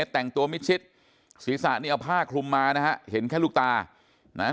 แต่งตัวมิดชิดศีรษะนี่เอาผ้าคลุมมานะฮะเห็นแค่ลูกตานะฮะ